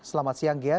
selamat siang gia